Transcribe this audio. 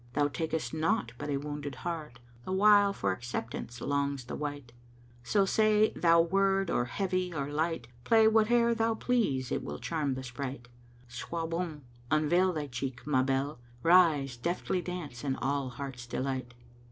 Thou takest naught but a wounded heart, * The while for acceptance longs the wight: So say thou word or heavy or light; * Play whate'er thou please it will charm the sprite. Sois bonne, unveil thy cheek, ma belle * Rise, deftly dance and all hearts delight."